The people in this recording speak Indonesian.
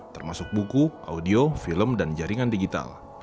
termasuk buku audio film dan jaringan digital